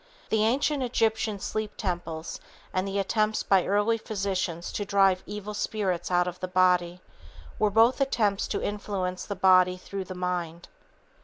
The ancient Egyptian sleep temples and the attempts by early physicians to drive evil spirits out of the body were both attempts to influence the body through the mind.